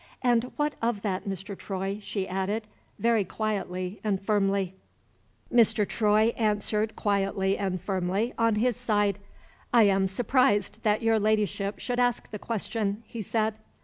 "And what of that, Mr. Troy?" she added, very quietly and firmly. Mr. Troy answered quietly and firmly, on his side. "I am surprised that your Ladyship should ask the question," he said.